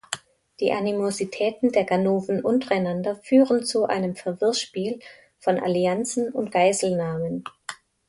Die Animositäten der Ganoven untereinander führen zu einem Verwirrspiel von Allianzen und Geiselnahmen.